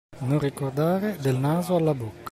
Non ricordare del naso alla bocca.